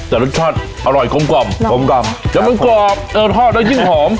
แต่รสชาติอร่อยกลมกล่อมกลมกล่อมแล้วมันกรอบเออถ้าน้ำจิ้มหอม